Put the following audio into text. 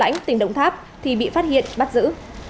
tỉnh đông tháp bị phát hiện bắt giữ